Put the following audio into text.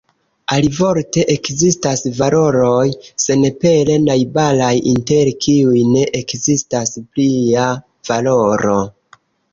Alivorte, ekzistas valoroj senpere najbaraj, inter kiuj ne ekzistas plia valoro.